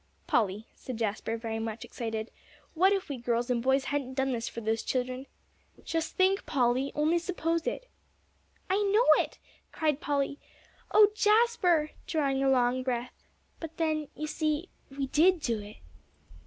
"Polly," said Jasper, very much excited, "what if we girls and boys hadn't done this for those children! Just think, Polly, only suppose it!" "I know it," cried Polly. "Oh, Jasper!" drawing a long breath. "But then, you see, we did do it."